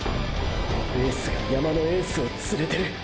エースが山のエースを連れてる！！